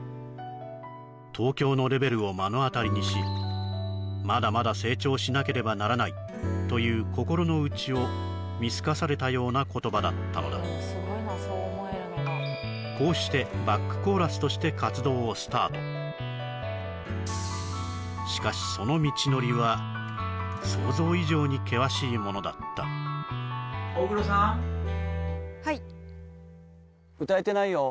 東京のレベルを目の当たりにしまだまだ成長しなければならないという心の内を見透かされたような言葉だったのだこうしてしかしその道のりは想像以上に険しいものだった大黒さんはい歌えてないよ